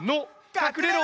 かくれろ！